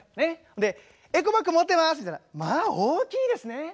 で「エコバッグ持ってます」みたいな「まあ大きいですね！」。